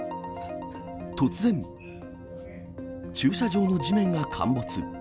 突然、駐車場の地面が陥没。